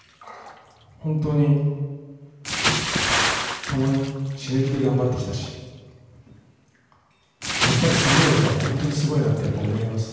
本当に共に死ぬ気で頑張ってきたしやっぱりすごいやつは本当にすごいなって思います。